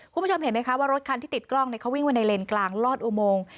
คุณผู้ชมเห็นไหมคะว่ารถคันที่ติดกล้องเขาวิ่งไว้ในเลนกลางลอดอุโมง